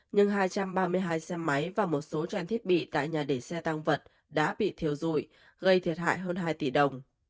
nhưng hai trăm ba mươi hai xe máy và một số trang thiết bị tại nhà để xe tăng vật đã bị thiêu dụi gây thiệt hại hơn hai tỷ đồng